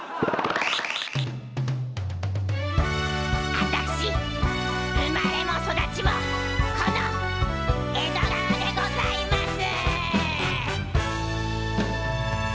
あたし生まれも育ちもこの江戸川でございます。